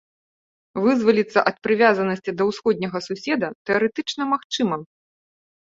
Вызваліцца ад прывязанасці да ўсходняга суседа тэарэтычна магчыма.